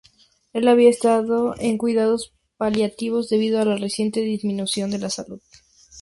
Él había estado en cuidados paliativos debido a la reciente disminución de la salud.